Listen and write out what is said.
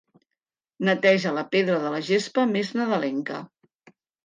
Neteja la pedra de la gespa més nadalenca.